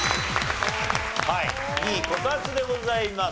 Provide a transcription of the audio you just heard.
はい２位こたつでございます。